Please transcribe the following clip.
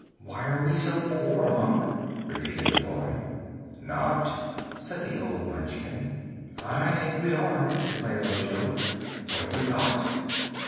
"Why are we so poor, Unc?" repeated the boy. "Not," said the old Munchkin. "I think we are," declared Ojo. "What have we got?"